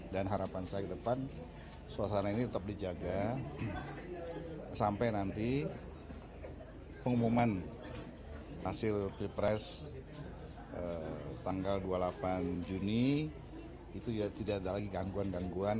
dan harapan saya ke depan suasana ini tetap dijaga sampai nanti pengumuman hasil free press tanggal dua puluh delapan juni itu tidak ada lagi gangguan gangguan